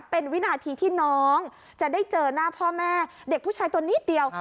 เป็นวินาทีที่น้องจะได้เจอหน้าพ่อแม่เด็กผู้ชายตัวนิดเดียว